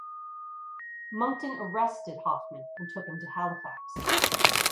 Monckton arrested Hoffman and took him to Halifax.